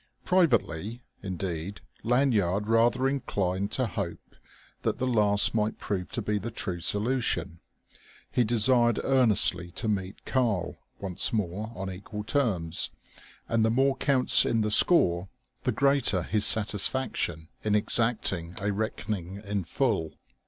Privately, indeed, Lanyard rather inclined to hope that the last might prove to be the true solution. He desired earnestly to meet "Karl" once more, on equal terms. And the more counts in the score, the greater his satisfaction in exacting a reckoning in full.